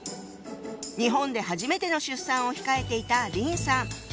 日本で初めての出産を控えていた林さん。